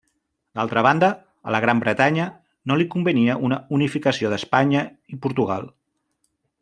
D'altra banda, a la Gran Bretanya no li convenia una unificació d'Espanya i Portugal.